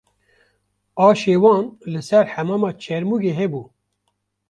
Aşê wan li ser Hemama Çêrmûgê hebû